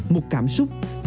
một cảm xúc rất vui